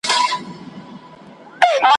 بیا مي پورته له ګودره د پاولیو شرنګهار کې `